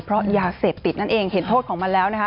เพราะยาเสพติดนั่นเองเห็นโทษของมันแล้วนะคะ